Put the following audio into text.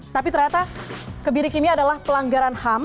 tapi ternyata kebiri kimia adalah pelanggaran ham